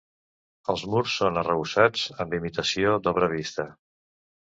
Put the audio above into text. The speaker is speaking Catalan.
Els murs són arrebossats amb imitació d'obra vista.